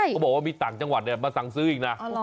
เขาบอกว่ามีต่างจังหวัดมาสั่งซื้ออีกนะ